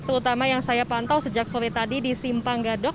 terutama yang saya pantau sejak sore tadi di simpang gadok